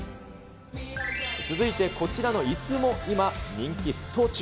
続いてこちらのいすも今、人気沸騰中。